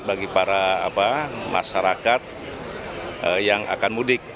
bagi para masyarakat yang akan mudik